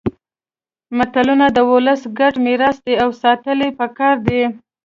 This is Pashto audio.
متلونه د ولس ګډ میراث دي او ساتل يې پکار دي